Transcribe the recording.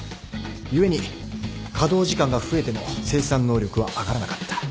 故に稼働時間が増えても生産能力は上がらなかった。